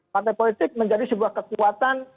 partai politik menjadi sebuah kekuatan